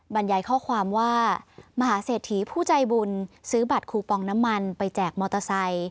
บรรยายข้อความว่ามหาเศรษฐีผู้ใจบุญซื้อบัตรคูปองน้ำมันไปแจกมอเตอร์ไซค์